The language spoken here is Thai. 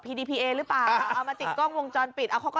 ดีพีเอหรือเปล่าเอามาติดกล้องวงจรปิดเอาเขาก็